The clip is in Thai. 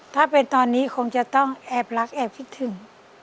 ถ้าเป็นตอนนี้คงจะต้องแอบรักแอบคิดถึง